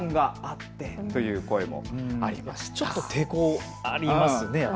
ちょっと抵抗ありますね。